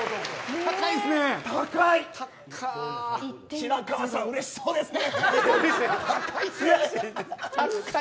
白川さん、嬉しそうですね。